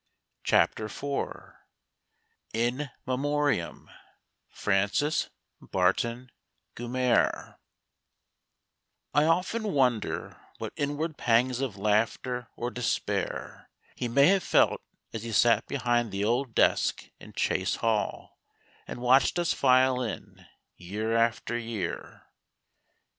IN MEMORIAM FRANCIS BARTON GUMMERE I often wonder what inward pangs of laughter or despair he may have felt as he sat behind the old desk in Chase Hall and watched us file in, year after year!